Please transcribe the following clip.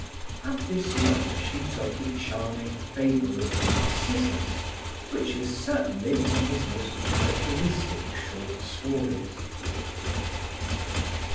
At this lunch he told the charming fable of "Narcissus," which is certainly one of his most characteristic short stories.